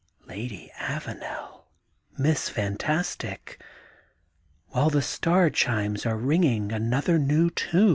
Lady Avanel, Miss Fantastic, while the star chimes are ringing another new tune.